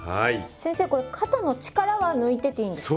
先生これ肩の力は抜いてていいんですか？